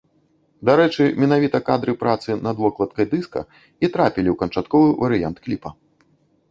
Дарэчы, менавіта кадры працы над вокладкай дыска і трапілі ў канчатковы варыянт кліпа.